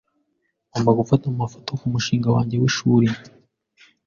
Ngomba gufata amafoto kumushinga wanjye w'ishuri.